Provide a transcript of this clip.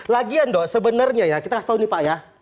lagian dok sebenarnya ya kita harus tahu nih pak ya